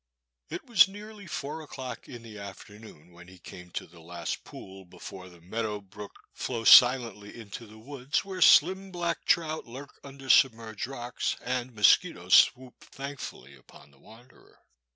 It was nearly four o'clock in the afternoon when he came to the last pool, before the meadow brook flows silently into the woods where slim black trout lurk under submerged rocks and mosquitos swoop thankfully upon the wanderer.